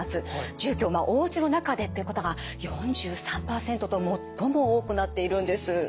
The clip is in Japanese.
住居おうちの中でという方が４３％と最も多くなっているんです。